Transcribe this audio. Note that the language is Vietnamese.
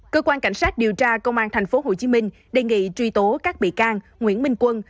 cơ quan cảnh sát điều tra công an tp hcm đề nghị truy tố các bị can nguyễn minh quân